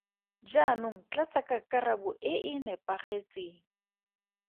Jaanong tlatsa ka karabo e e nepagetseng.